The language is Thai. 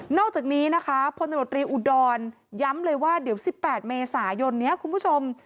อกจากนี้นะคะพลตำรวจรีอุดรย้ำเลยว่าเดี๋ยว๑๘เมษายนนี้คุณผู้ชม